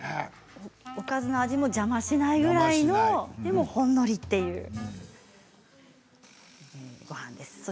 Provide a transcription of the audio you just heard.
おかずの味も邪魔しないぐらいのほんのりというごはんです。